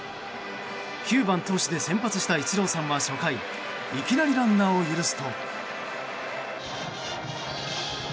９番投手で先発したイチローさんは初回いきなりランナーを許すと。